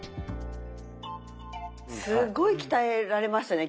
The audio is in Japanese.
すっごい鍛えられましたね